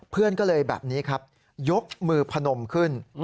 เพื่อนก็เลยแบบนี้ครับยกมือพนมขึ้น